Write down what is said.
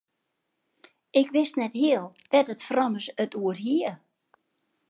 Ik wist net heal wêr't it frommes it oer hie.